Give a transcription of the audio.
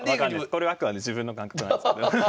これはあくまで自分の感覚なんですけど。